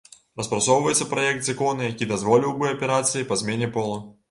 Распрацоўваецца праект закона, які дазволіў бы аперацыі па змене полу.